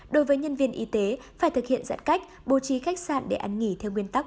đối với nhân viên y tế phải thực hiện giãn cách bố trí khách sạn để ăn nghỉ theo nguyên tắc